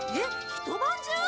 ひと晩中！？